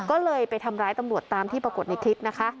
ก็เลยไปทำร้ายตำรวจตามที่ปรากฏในคลิปนะคะ